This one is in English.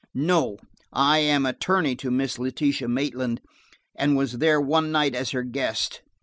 "No, I am attorney to Miss Letitia Maitland, and was there one night as her guest.